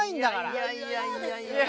いやいやいやいや。